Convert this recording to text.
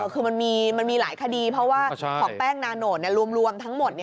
คือมันมีหลายคดีเพราะว่าของแป้งนาโนตรวมทั้งหมด